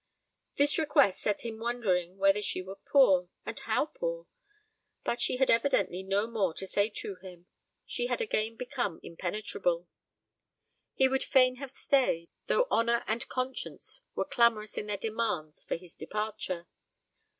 This request set him wondering whether she were poor, and how poor. But she had evidently no more to say to him; she had again become impenetrable. He would fain have stayed, though honour and conscience were clamorous in their demands for his departure.